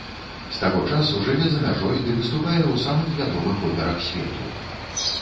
З таго часу жыве за мяжой ды выступае ў самых вядомых операх свету.